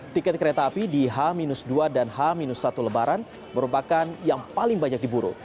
tiket kereta api di h dua dan h satu lebaran merupakan yang paling banyak diburu